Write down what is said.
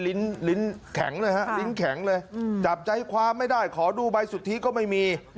ลิ้นแข็งเลยฮะลิ้นแข็งเลยจับใจความไม่ได้ขอดูใบสุทธิก็ไม่มี